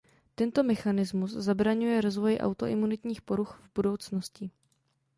Tento mechanismus zabraňuje rozvoji autoimunitních poruch v budoucnosti.